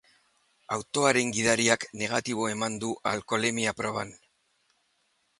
Autoaren gidariak negatibo eman du alkoholemia proban.